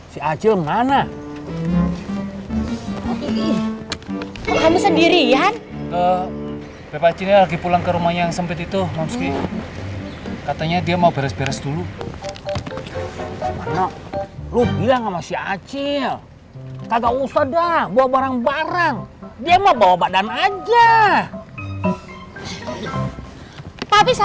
sampai jumpa di video selanjutnya